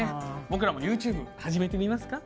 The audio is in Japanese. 僕らもＹｏｕＴｕｂｅ始めてみますか？